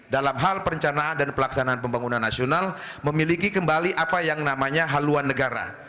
dalam hal perencanaan dan pelaksanaan pembangunan nasional memiliki kembali apa yang namanya haluan negara